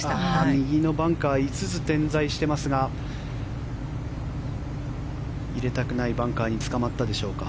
右のバンカー５つ点在していますが入れたくないバンカーにつかまったでしょうか。